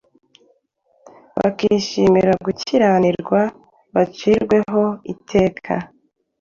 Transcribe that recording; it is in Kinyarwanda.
bakishimira gukiranirwa, bacirwe ho iteka